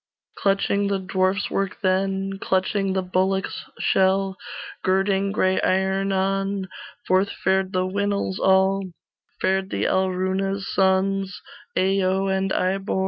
Clutching the dwarfs' work then, Clutching the bullock's shell, Girding gray iron on, Forth fared the Winils all, Fared the Alruna's sons, Ayo and Ibor.